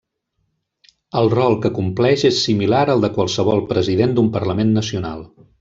El rol que compleix és similar al de qualsevol president d'un parlament nacional.